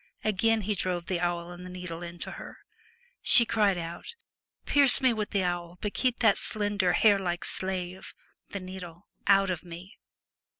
Again he drove the awl and needle into her. She cried out, ' Pierce me with the awl, but keep that slender, hair like slave (the needle) out of me.'